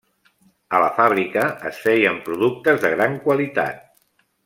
A la fàbrica es feien productes de gran qualitat.